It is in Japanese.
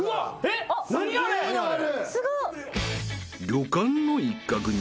［旅館の一角に］